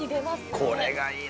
これがいいな。